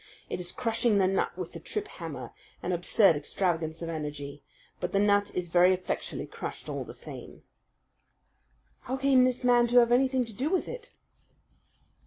It is crushing the nut with the triphammer an absurd extravagance of energy but the nut is very effectually crushed all the same." "How came this man to have anything to do with it?"